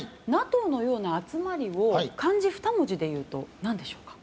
ＮＡＴＯのような集まりを漢字２文字でいうと何でしょうか？